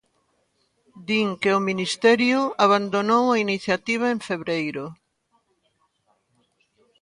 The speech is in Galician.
Din que o Ministerio abandonou a iniciativa en febreiro.